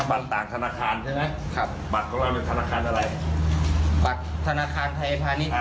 มันกดไม่ได้ถาม๒๕๐๐เพราะว่าต้องเสียค่าทำเนียม